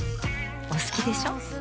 お好きでしょ。